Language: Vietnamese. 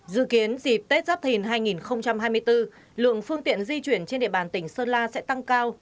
dự kiến dịp tết giáp thìn hai nghìn hai mươi bốn lượng phương tiện di chuyển trên địa bàn tỉnh sơn la sẽ tăng cao